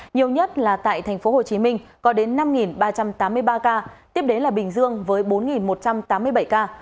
nhiều nhất là tại tp hcm có đến năm ba trăm tám mươi ba ca tiếp đến là bình dương với bốn một trăm tám mươi bảy ca